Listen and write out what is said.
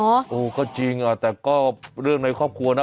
โอ้โฮก็จริงแต่ก็เรื่องในครอบครัวนะ